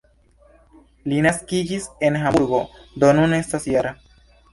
Li naskiĝis en Hamburgo, do nun estas -jara.